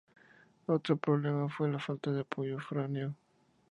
Otro problema fue la falta de apoyo foráneo.